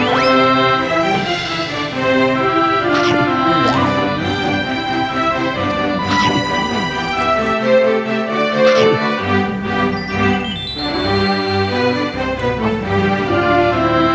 อาคาร